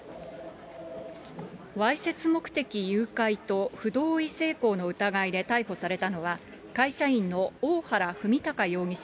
わいせつ目的誘拐と不同意性交の疑いで逮捕されたのは、会社員の大原ふみたか容疑者